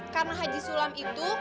karena haji sulam itu